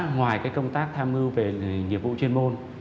ngoài công tác tham mưu về nghiệp vụ chuyên môn